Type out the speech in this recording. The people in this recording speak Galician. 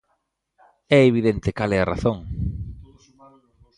É evidente cal é a razón.